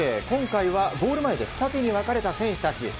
今回はゴール前で二手に分かれた選手たち。